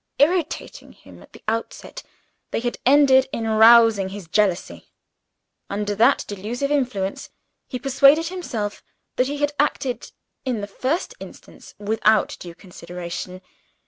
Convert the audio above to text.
Irritating him at the outset, they had ended in rousing his jealousy. Under that delusive influence, he persuaded himself that he had acted, in the first instance, without due consideration.